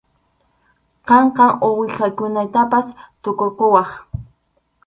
Qamqa uwihaykunatapas tukurquwaq.